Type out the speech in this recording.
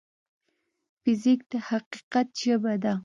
فزیک د حقیقت ژبه ده.